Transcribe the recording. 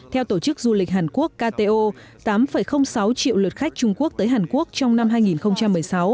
theo tổ chức du lịch hàn quốc kto tám sáu triệu lượt khách trung quốc tới hàn quốc trong năm hai nghìn một mươi sáu